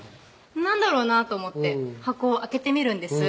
何だろうなと思って箱を開けてみるんです